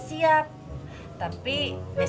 siapa ya siapa bae